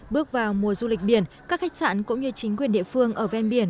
bước vào mùa du lịch biển các khách sạn cũng như chính quyền địa phương ở ven biển